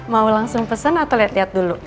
mau langsung pesen atau liat liat dulu